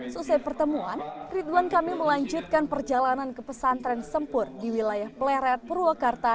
selesai pertemuan ridwan kamil melanjutkan perjalanan ke pesantren sempur di wilayah pleret purwakarta